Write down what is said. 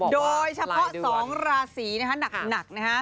โดยเฉพาะ๒ราศีหนักนะฮะ